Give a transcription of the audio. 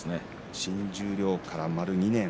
新十両から丸２年。